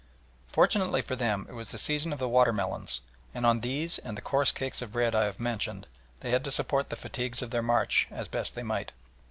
Fortunately for them it was the season of the water melons, and on these and the coarse cakes of bread I have mentioned they had to support the fatigues of their march as best they might.